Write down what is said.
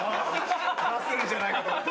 出すんじゃないかと思った。